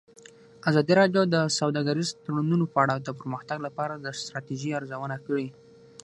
ازادي راډیو د سوداګریز تړونونه په اړه د پرمختګ لپاره د ستراتیژۍ ارزونه کړې.